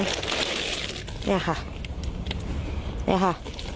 นี่ค่ะ